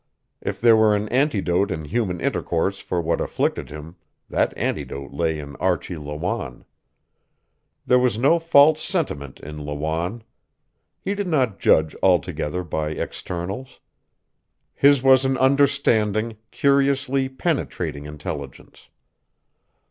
If there were an antidote in human intercourse for what afflicted him, that antidote lay in Archie Lawanne. There was no false sentiment in Lawanne. He did not judge altogether by externals. His was an understanding, curiously penetrating intelligence.